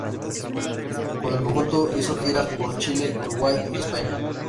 Con el conjunto hizo giras por Chile, Uruguay y España.